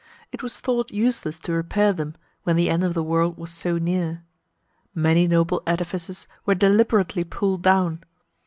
It was thought useless to repair them, when the end of the world was so near. Many noble edifices were deliberately pulled down.